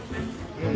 うん。